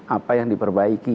apa yang diperbaiki